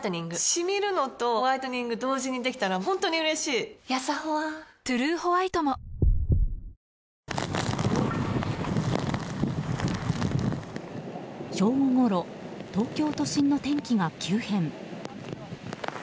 シミるのとホワイトニング同時にできたら本当に嬉しいやさホワ「トゥルーホワイト」も正午ごろ東京都心の天気が急変。